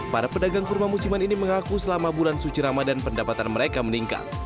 para pedagang kurma musiman ini mengaku selama bulan suci ramadan pendapatan mereka meningkat